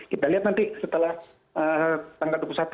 kita lihat nanti setelah tanggal dua puluh satu